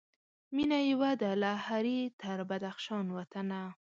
مېنه یوه ده له هري تر بدخشان وطنه